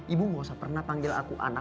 ibu gak usah pernah panggil aku anak